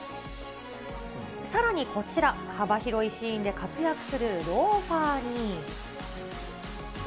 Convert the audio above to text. さらにこちら、幅広いシーンで活躍するローファーに。